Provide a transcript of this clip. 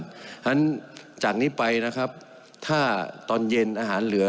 เพราะฉะนั้นจากนี้ไปนะครับถ้าตอนเย็นอาหารเหลือ